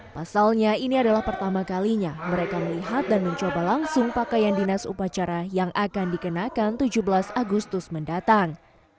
pasalnya ini adalah pertama kalinya mereka melihat dan mencoba langsung pakaian dinas upacara yang akan dikenakan tujuh belas agustus mendatang